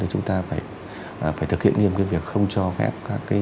chúng ta phải thực hiện nghiêm việc không cho phép